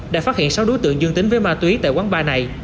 đã phát hiện sáu đối tượng dương tính với ma túy tại quán bar này